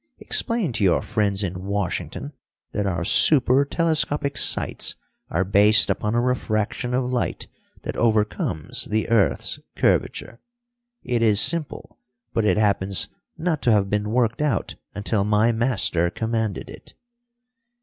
Explain to your friends in Washington that our super telescopic sights are based upon a refraction of light that overcomes the earth's curvature. It is simple, but it happens not to have been worked out until my Master commanded it."